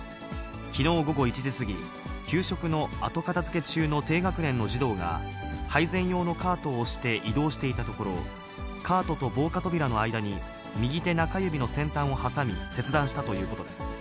きのう午後１時過ぎ、給食の後片づけ中の低学年の児童が、配膳用のカートを押して移動していたところ、カートと防火扉の間に、右手中指の先端を挟み切断したということです。